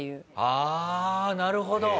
ああなるほど。